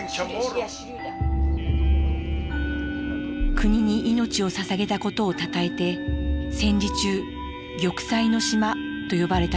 国に命をささげたことをたたえて戦時中「玉砕の島」と呼ばれたサイパン島。